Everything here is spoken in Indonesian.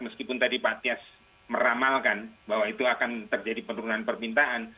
meskipun tadi pak tias meramalkan bahwa itu akan terjadi penurunan permintaan